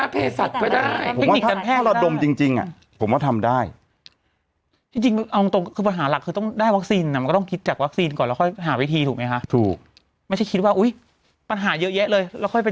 เพชสัตว์ก็ได้ชิดได้ใช่ไหมเพชสัตว์ก็ได้